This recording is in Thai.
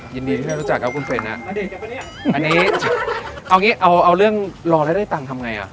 ยินดีที่ไม่รู้จักครับคุณเฟรนนะอันนี้เอางี้เอาเรื่องรอแล้วได้ตังค์ทำไงอ่ะ